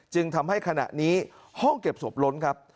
จึงทำให้ขณะนี้ห้องเก็บศพล้นครับ